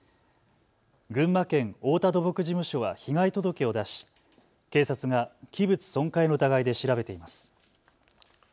群馬県太田土木事務所は被害届を出し警察が器物損壊の疑いで調べています。